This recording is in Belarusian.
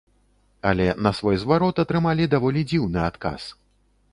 Але на свой зварот атрымалі даволі дзіўны адказ.